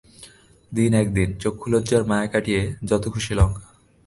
দিন একদিন চক্ষুলজার মায়া কাটিয়ে যত খুশি লঙ্কা।